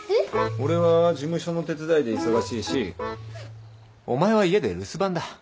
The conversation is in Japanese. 俺は事務所の手伝いで忙しいしお前は家で留守番だ。